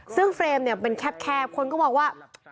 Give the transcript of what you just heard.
ซึ่งเฟรมเนี่ยเป็นแคบคนก็มองว่า